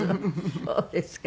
そうですか。